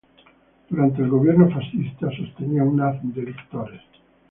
Durante el gobierno fascista sostenía un haz de lictores.